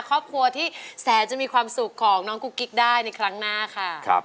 ครอบครัวที่แสนจะมีความสุขของน้องกุ๊กกิ๊กได้ในครั้งหน้าค่ะ